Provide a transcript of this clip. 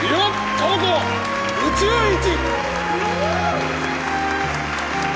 瞳子宇宙一！